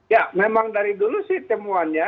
ya memang dari dulu sih temuannya